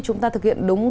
chúng ta thực hiện đúng